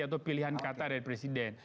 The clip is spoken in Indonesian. atau pilihan kata dari presiden